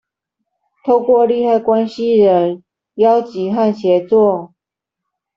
透過利害關係人邀集和協作